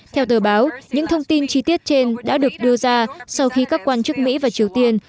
theo tờ báo những thông tin chi tiết trên đã được đưa ra sau khi các quan chức mỹ và triều tiên